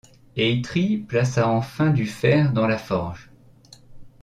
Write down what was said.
Eitri plaça enfin du fer dans la forge.